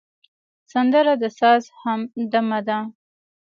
سندره د ساز همدمه ده